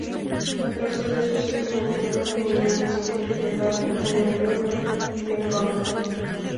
Catorce de sus hijos murieron en un accidente de barco en el río Mekong.